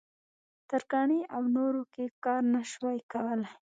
ترکاڼۍ او نورو کې کار نه شوای کولای.